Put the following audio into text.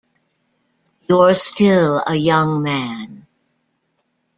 You're still a young man.